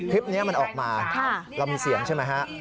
คลิปนี้มันออกมาเรามีเสียงใช่ไหมฮะ